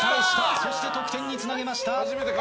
そして得点につなげました！